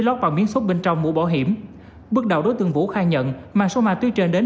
trong và miếng xuất bên trong mũ bảo hiểm bước đầu đối tượng vũ khai nhận mà số ma túy trên đến